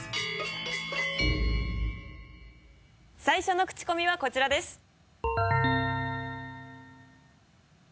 最初のクチコミはこちらです。